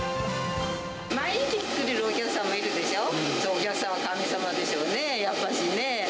毎日来てくれるお客もいるでしょ、お客さんは神様でしょうね、やっぱしね。